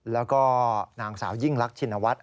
แล้วก็นางสาวยิ่งรักชินวัฒน